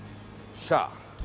しゃあ！